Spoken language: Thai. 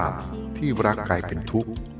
นิดหนึ่ง